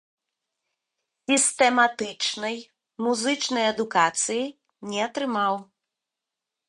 Сістэматычнай музычнай адукацыі не атрымаў.